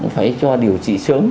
phải cho điều trị sớm